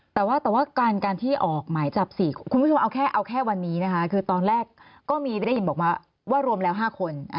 แต่ว่าแต่ว่าการที่ออกหมายจับ๔คุณผู้ชมเอาแค่เอาแค่วันนี้นะคะคือตอนแรกก็มีได้ยินบอกว่ารวมแล้ว๕คน